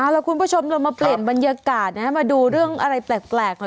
แล้วคุณผู้ชมเรามาเปลี่ยนบรรยากาศมาดูเรื่องอะไรแปลกหน่อย